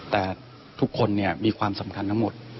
แต่ทุกคนมีความสำคัญทั้งหมด